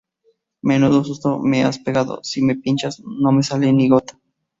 Menudo susto me has pegado. Si me pinchas no me sale ni gota.